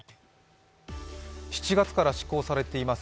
７月から施行されています